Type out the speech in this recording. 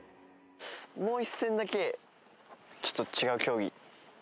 もう一戦だけちょっと違う競技。